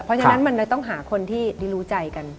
เพราะฉะนั้นมันเลยต้องหาคนที่รู้ใจกัน